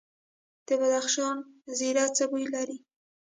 د بدخشان زیره څه بوی لري؟